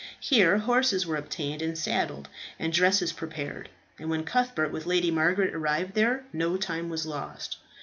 Here horses were obtained and saddled, and dresses prepared; and when Cuthbert with Lady Margaret arrived there, no time was lost.